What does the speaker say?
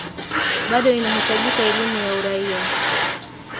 bado inahitajika elimu ya uraia